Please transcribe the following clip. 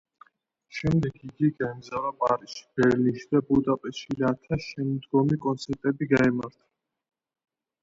შემდეგ იგი გაემგზავრა პარიზში, ბერლინში და ბუდაპეშტში, რათა შემდგომი კონცერტები გაემართა.